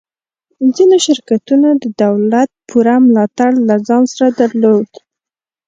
ځینو شرکتونو د دولت پوره ملاتړ له ځان سره درلود